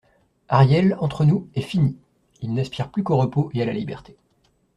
Ariel, entre nous, est fini ; il n'aspire plus qu'au repos et à la liberté.